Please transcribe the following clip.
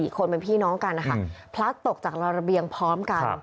คนเป็นพี่น้องกันนะคะพลัดตกจากรอยระเบียงพร้อมกัน